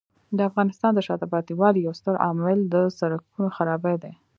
د افغانستان د شاته پاتې والي یو ستر عامل د سړکونو خرابي دی.